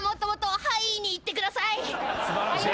素晴らしい。